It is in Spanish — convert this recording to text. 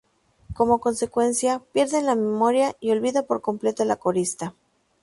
Como consecuencia, pierde la memoria y olvida por completo a la corista.